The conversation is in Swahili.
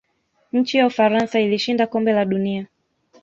nchi ya ufaransa ilishinda kombe la dunia